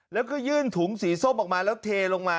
แล้วก็ยื่นถุงสีส้มออกมาแล้วเทลงมา